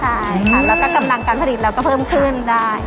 ใช่ค่ะแล้วก็กำลังการผลิตเราก็เพิ่มขึ้นได้